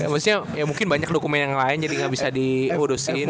maksudnya ya mungkin banyak dokumen yang lain jadi nggak bisa diurusin